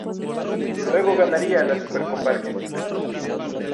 Luego ganaría la Supercopa Argentina.